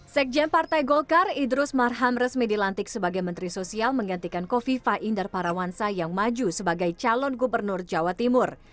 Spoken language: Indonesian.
sekjen partai golkar idrus marham resmi dilantik sebagai menteri sosial menggantikan kofifa indar parawansa yang maju sebagai calon gubernur jawa timur